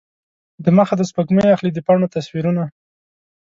دمخه د سپوږمۍ اخلي د پاڼو تصویرونه